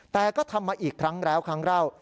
แต่ก็ทำมาอีกครั้งแล้วครั้งเล่า